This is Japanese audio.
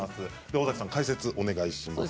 尾崎さん、解説お願いします。